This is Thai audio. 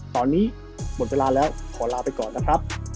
ตอนนี้หมดเวลาแล้วขอลาไปก่อนนะครับ